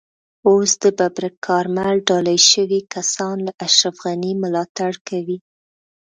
اوس د ببرک کارمل ډالۍ شوي کسان له اشرف غني ملاتړ کوي.